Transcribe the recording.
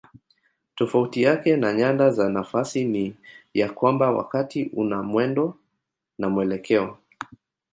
Tofauti yake na nyanda za nafasi ni ya kwamba wakati una mwendo na mwelekeo.